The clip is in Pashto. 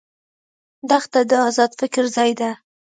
دښته د آزاد فکر ځای ده.